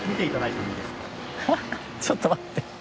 ちょっと待って。